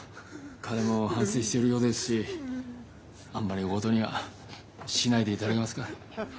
かれも反せいしてるようですしあんまりおおごとにはしないでいただけますか？